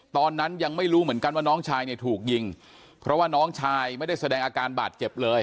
ตอนนั้นยังไม่รู้เหมือนกันว่าน้องชายเนี่ยถูกยิงเพราะว่าน้องชายไม่ได้แสดงอาการบาดเจ็บเลย